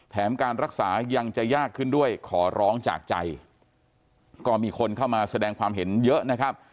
การรักษายังจะยากขึ้นด้วยขอร้องจากใจก็มีคนเข้ามาแสดงความเห็นเยอะนะครับ